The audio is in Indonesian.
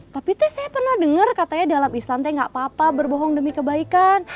tapi teh saya pernah dengar katanya dalam islam teh gak apa apa berbohong demi kebaikan